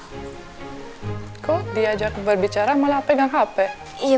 aku sudah berjalan dengan berbicara aku tidak mau tidur